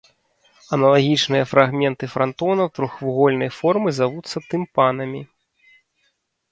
Аналагічныя фрагменты франтонаў трохвугольнай формы завуцца тымпанамі.